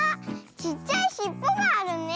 ちっちゃいしっぽがあるね。